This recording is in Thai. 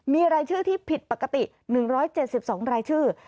มีรายชื่อที่ผิดปกติ๑๗๒รายชื่อ